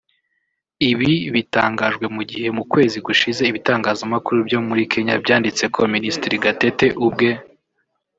Ibi bitangajwe mu gihe mu kwezi gushize ibitangazamakuru byo muri Kenya byanditse ko Minisitiri Gatete ubwe